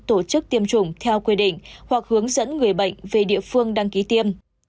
tổ chức tiêm chủng theo quy định hoặc hướng dẫn người bệnh về địa phương đăng ký tiêm